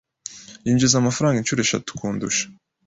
Yinjiza amafaranga inshuro eshatu kundusha.